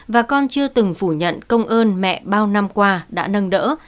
và con chưa từng phủ nhận công ơn mẹ bao năm qua đã nâng đỡ